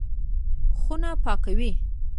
خونه پاکوي.